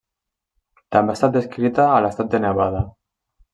També ha estat descrita a l'estat de Nevada.